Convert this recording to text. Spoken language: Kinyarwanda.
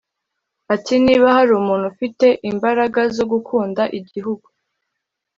Ati “Niba hari umuntu ufite imbaraga zo gukunda igihugu